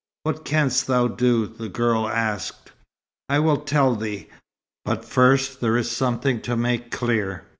"What canst thou do?" the girl asked. "I will tell thee. But first there is something to make clear.